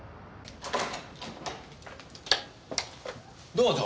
どうぞ。